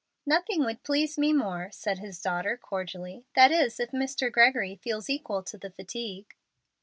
"Nothing would please me more," said his daughter, cordially; "that is, if Mr. Gregory feels equal to the fatigue."